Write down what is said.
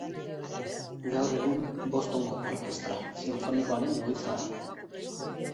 Gaur egun Bostongo Orkestra Sinfonikoaren egoitza da.